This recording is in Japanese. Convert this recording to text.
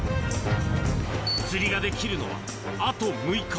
釣りができるのはあと６日。